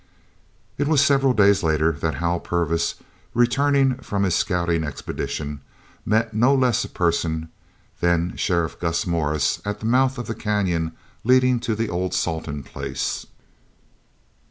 It was several days later that Hal Purvis, returning from his scouting expedition, met no less a person that Sheriff Gus Morris at the mouth of the canyon leading to the old Salton place.